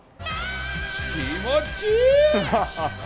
気持ちいい。